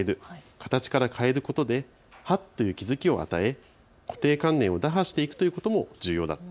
形から変えることではっという気付きを与え固定観念を打破していくことも重要だ。